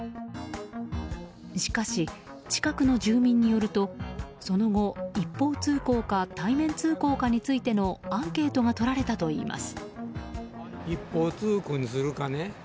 しかし、近くの住民によるとその後、一方通行か対面通行かについてのアンケートがとられたといいます。